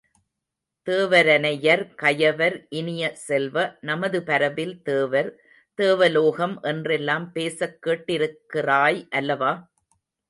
தேவரனையர் கயவர் இனிய செல்வ, நமது மரபில் தேவர், தேவலோகம் என்றெல்லாம் பேசக்கேட்டிருக்கிறாய் அல்லவா?